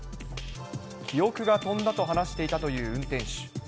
記憶が飛んだと話していたという運転手。